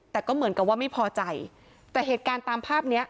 แต่ก็เหมือนกับว่าไม่พอใจแต่เหตุการณ์ตามภาพเนี้ย